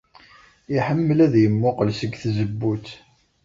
Iḥemmel ad yemmuqqel seg tzewwut.